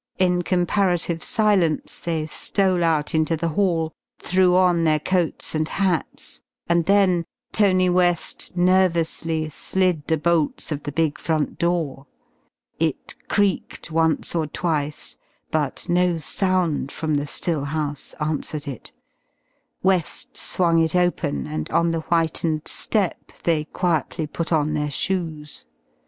In comparative silence they stole out into the hall, threw on their coats and hats, and then Tony West nervously slid the bolts of the big front door. It creaked once or twice, but no sound from the still house answered it. West swung it open, and on the whitened step they quietly put on their shoes.